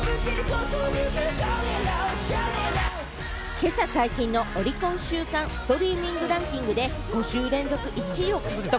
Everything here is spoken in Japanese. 今朝解禁のオリコン週間ストリーミングランキングで、５週連続１位を獲得。